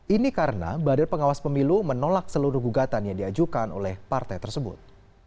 ini karena badan pengawas pemilu menolak seluruh gugatan yang diajukan oleh partai tersebut